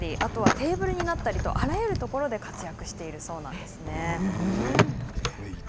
テーブルになったりとあらゆるところで活躍しているんです。